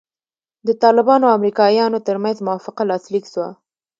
د طالبانو او امریکایانو ترمنځ موافقه لاسلیک سوه.